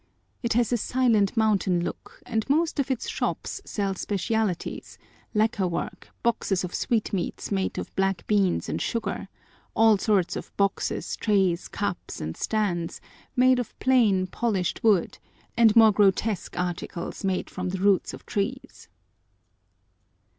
It has a silent mountain look, and most of its shops sell specialties, lacquer work, boxes of sweetmeats made of black beans and sugar, all sorts of boxes, trays, cups, and stands, made of plain, polished wood, and more grotesque articles made from the roots of trees.